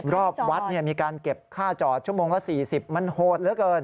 รอบวัดมีการเก็บค่าจอดชั่วโมงละ๔๐มันโหดเหลือเกิน